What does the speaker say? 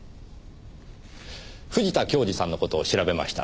藤田恭二さんの事を調べました。